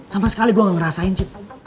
sama sekali gue nggak ngerasain cid